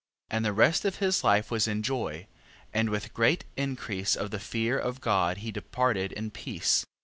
14:4. And the rest of his life was in joy, and with great increase of the fear of God he departed in peace.